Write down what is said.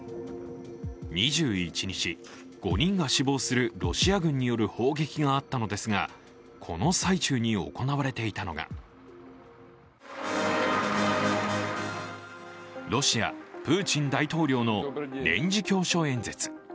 ２１日、５人が死亡するロシア軍による砲撃があったのですがこの最中に行われていたのがロシア、プーチン大統領の年次教書演説。